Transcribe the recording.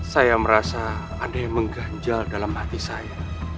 saya merasa ada yang mengganjal dalam hati saya